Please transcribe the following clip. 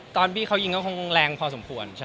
ตอนพี่เขายิงก็คงแรงพอสมควรใช่